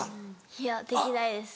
いやできないです。